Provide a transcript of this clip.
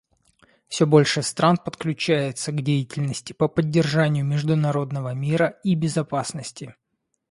Все больше стран подключается к деятельности по поддержанию международного мира и безопасности.